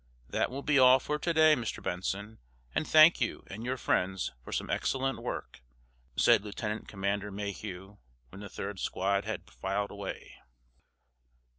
"That will be all for to day, Mr. Benson, and thank you and your friends for some excellent work," said Lieutenant Commander Mayhew, when the third squad had filed away.